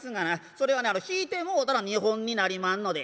それはね引いてもうたら２本になりまんので」。